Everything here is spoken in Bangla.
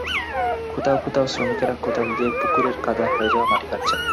কোথাও কোথাও শ্রমিকেরা কোদাল দিয়ে পুকুরের কাদা হয়ে যাওয়া মাটি কাটছেন।